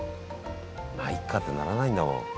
まあいっかってならないんだもん。